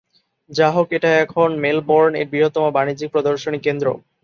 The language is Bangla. যাহোক, এটা এখন মেলবোর্ন এর বৃহত্তম বাণিজ্যিক প্রদর্শনী কেন্দ্র।